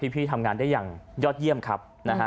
พี่ทำงานได้อย่างยอดเยี่ยมครับ